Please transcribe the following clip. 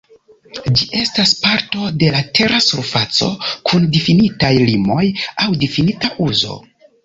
Ĝi estas parto de la tera surfaco, kun difinitaj limoj aŭ difinita uzo.